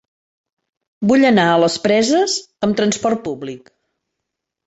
Vull anar a les Preses amb trasport públic.